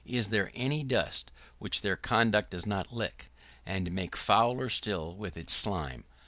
Is there any dust which their conduct does not lick, and make fouler still with its slime?